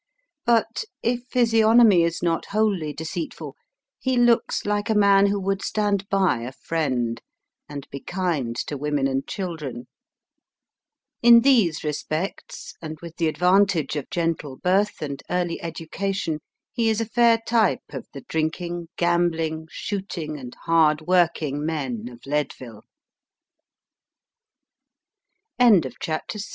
But, if physiognomy is not wholly deceitful, he looks like a man who would stand by a friend, and be kind to women and children. In these respects, and with the advantage of gentle birth and early education, he is a fair type of the drinking, gambling, shootin